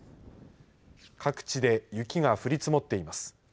各地で雪が降り積もっています。